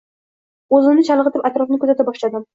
O`zimni chalg`itib atrofni kuzata boshladim